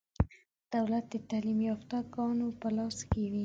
دولت د تعلیم یافته ګانو په لاس کې و.